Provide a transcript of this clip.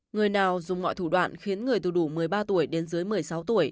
người nào dùng mọi thủ đoạn khiến người từ đủ một mươi ba tuổi đến dưới một mươi sáu tuổi